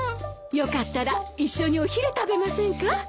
よかったら一緒にお昼食べませんか？